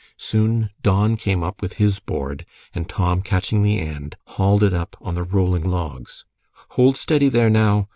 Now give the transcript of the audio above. Soon Don came up with his board, and Tom, catching the end, hauled it up on the rolling logs. "Hold steady there now!"